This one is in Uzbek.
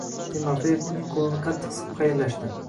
Timofeev uning qoʻlini qattiq siqib xayrlashdi.